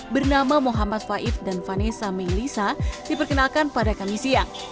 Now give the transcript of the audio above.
bernama muhammad faif dan vanessa melisa diperkenalkan pada kami siang